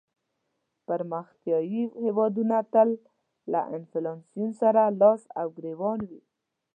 پرمختیایې هېوادونه تل له انفلاسیون سره لاس او ګریوان وي.